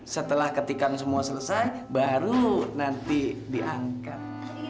setelah ketika semua selesai baru nanti diangkat